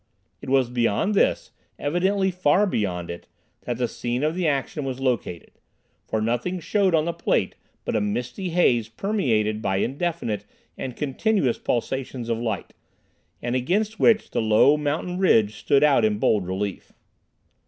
It was beyond this, evidently far beyond it, that the scene of the action was located, for nothing showed on the plate but a misty haze permeated by indefinite and continuous pulsations of light, and against which the low mountain ridge stood out in bold relief.